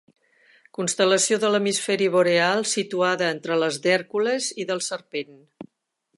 Constel·lació de l’hemisferi boreal, situada entre les d’Hèrcules i del Serpent.